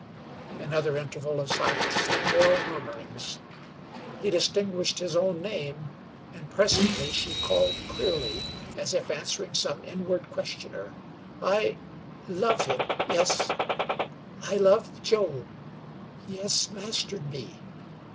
.." Another interval of silence, then more murmurings. He distinguished his own name, and presently she called clearly, as if answering some inward questioner. "I love him yes I love Joe he has mastered me.